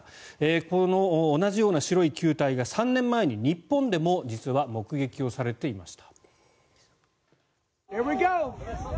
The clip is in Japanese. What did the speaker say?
この同じような白い球体が３年前にも日本で実は目撃されていました。